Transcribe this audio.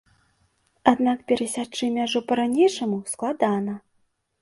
Аднак перасячы мяжу па-ранейшаму складана.